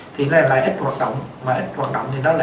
thì nó lại ít hoạt động mà ít hoạt động thì đó là